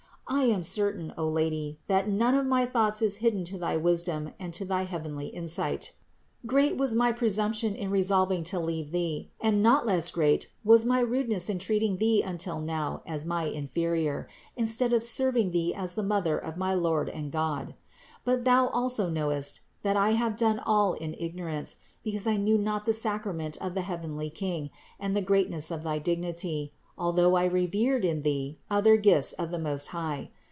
I am certain, O Lady, that none of my thoughts is hidden to thy wisdom and to thy heavenly insight. Great was my presumption in resolving to leave Thee and not less great was my rudeness in treating Thee until now as my inferior, instead of serving Thee as the Mother of my Lord and God. But Thou also knowest that I have done all in ignorance, because I knew not the sacrament of the heavenly King and the great ness of thy dignity, although I revered in Thee other gifts of the Most High.